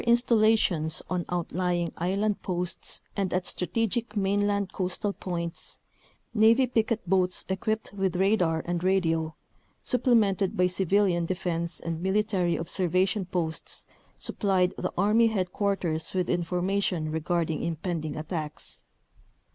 Radar installations on outlying island posts and at strategic main land coastal points, Navy picket boats equipped with radar and radio, supplemented by civilian defense and military observation posts, supplied the Army headquarters with information re garding impending attacks.